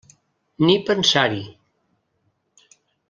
Ni pensar-hi!